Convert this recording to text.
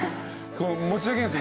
持ち上げるんすよ